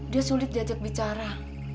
dia sulit diajak bicara